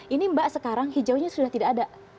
ini mbak sekarang hijaunya sudah tidak ada